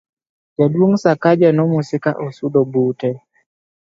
jaduong' Sakaja nomose ka osudo bute